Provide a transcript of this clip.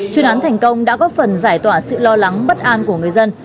chuyên án thành công đã góp phần giải tỏa sự lo lắng bất an của người dân